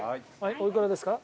おいくらですか？